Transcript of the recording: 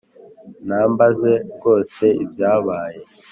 Numbaze rwose ibyabaye